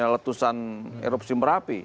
letusan eropsi merapi